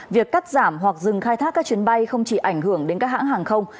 việc cắt giảm hoặc dừng khai thác các chuyến bay không chỉ ảnh hưởng đến các hãng hàng không